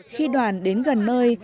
khi đoàn đến gần nơi